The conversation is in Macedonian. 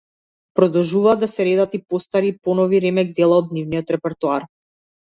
Продолжуваат да се редат и постари и понови ремек дела од нивниот репертоар.